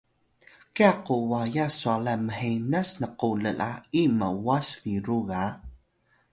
kya ku waya swalan mhenas nku lla’i m’was biru ga